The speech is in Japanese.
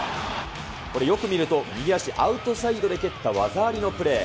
これ、よく見ると右足、アウトサイドで蹴った技ありのプレー。